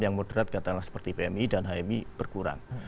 yang moderat katakanlah seperti pmi dan hmi berkurang